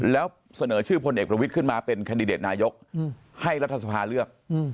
แล้วเสนอชื่อพลเอกประวิทย์ขึ้นมาเป็นแคนดิเดตนายกให้รัฐสภาเลือก